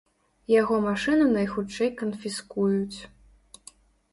Яго машыну найхутчэй канфіскуюць.